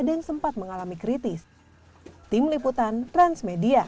dan sempat mengalami kritis